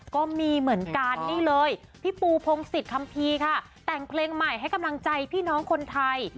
ก็มีเหมือนกันนี่เลยพี่ปูพงศิษยคัมภีร์ค่ะแต่งเพลงใหม่ให้กำลังใจพี่น้องคนไทย